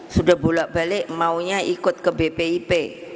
sudah bulat balik maunya ikut ke bpi p